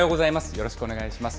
よろしくお願いします。